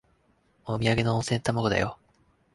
おみやげの温泉卵だよ。